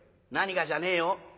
何がじゃねえよ。